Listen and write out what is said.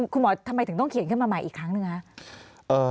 ทำไมถึงต้องเขียนขึ้นมาใหม่อีกครั้งหนึ่งคะ